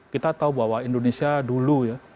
kita tahu bahwa indonesia dulu ya